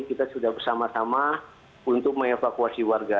kita sudah bersama sama untuk mengevakuasi warga